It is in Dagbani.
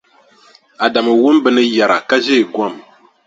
Adamu wum bɛ ni yɛra ka ʒeei gom.